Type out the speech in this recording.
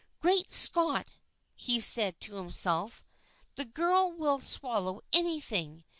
" Great Scott!" he said to himself. "The girl will swallow anything.